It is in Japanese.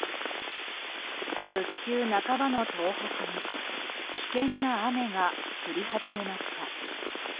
復旧半ばの東北に危険な雨が降り始めました。